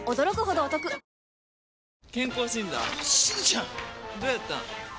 どやったん？